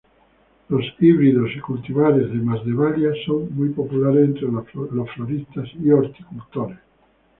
Los híbridos y cultivares de "Masdevallia" son muy populares entre los floristas y horticultores.